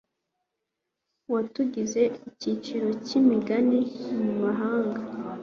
watugize iciro ry'imigani mu mahanga